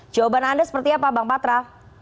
jawaban anda seperti apa bang patra